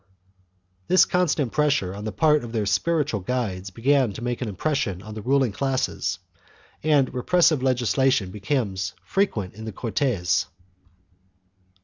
This constant pressure on the part of their spiritual guides began to make an impression on the ruling classes, and repressive legislation becomes frequent in the Cortes.